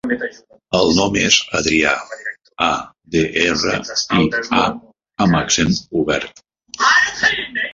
El nom és Adrià: a, de, erra, i, a amb accent obert.